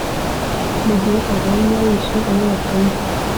mu gihe abonye wishe uwo watumwe